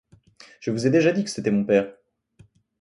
Je vous ai déjà dit que c'était mon père.